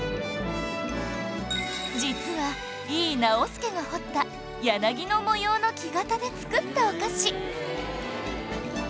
実は井伊直弼が彫った柳の模様の木型で作ったお菓子